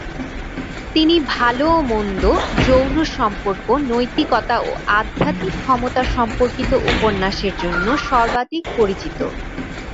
তিনি ভালো ও মন্দ, যৌন সম্পর্ক, নৈতিকতা ও আধ্যাত্মিক ক্ষমতা সম্পর্কিত উপন্যাসের জন্য সর্বাধিক পরিচিত।